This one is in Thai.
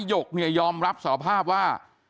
ยกยอมรับสอบภาพว่า